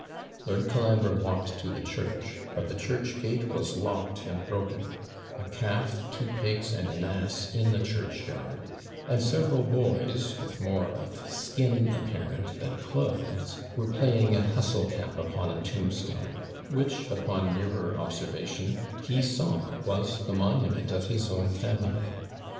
Lord Colambre walked to the church, but the church gate was locked and broken a calf, two pigs, and an ass, in the churchyard; and several boys (with more of skin apparent than clothes) were playing at hustlecap upon a tombstone, which, upon nearer observation, he saw was the monument of his own family.